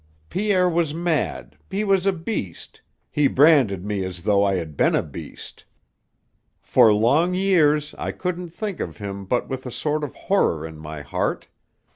Pierre was mad, he was a beast, he branded me as though I had been a beast. For long years I couldn't think of him but with a sort of horror in my heart.